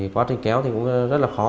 quá trình kéo cũng rất là khó